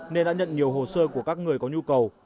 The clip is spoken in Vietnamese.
nên đã nhận nhiều hồ sơ của các người có nhu cầu